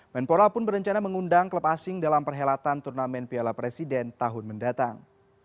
menpora pun berencana mengundang klub asing dalam perhelatan turnamen piala presiden tahun mendatang